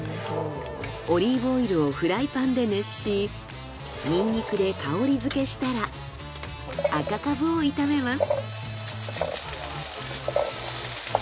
オリーブオイルをフライパンで熱しニンニクで香りづけしたら赤カブを炒めます。